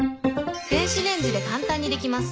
電子レンジで簡単にできます。